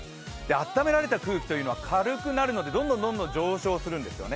暖められた空気というのは軽くなって、どんどん上昇するんですね